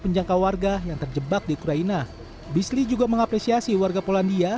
menjangkau warga yang terjebak di ukraina bisli juga mengapresiasi warga polandia